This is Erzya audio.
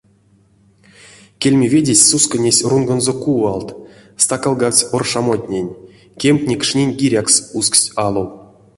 Кельме ведесь сусконесь рунгонзо кувалт, стакалгавтсь оршамотнень, кемтне кшнинь гирякс усксть алов.